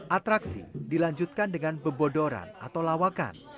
atraksi dilanjutkan dengan bebodoran atau lawakan